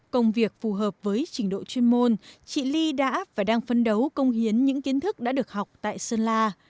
công việc phù hợp với trình độ chuyên môn chị ly đã và đang phân đấu công hiến những kiến thức đã được học tại sơn la